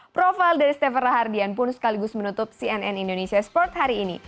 profil dari steffer rahardian pun sekaligus menutup cnn indonesia sport hari ini